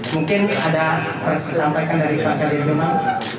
mungkin ada persampaikan dari pak jari jombang